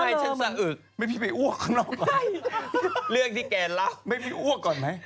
ให้ฉันสะอึกไม่พี่ไปอ้วกข้างนอกก่อนเรื่องที่แกเล่าให้พี่อ้วกก่อนไหม